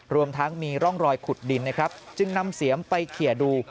รวมทั้งมีร่องรอยขุดดินนะครับจึงนำเสียมไปเขียดู